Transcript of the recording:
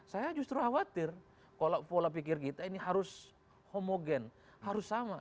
saya justru khawatir kalau pola pikir kita ini harus homogen harus sama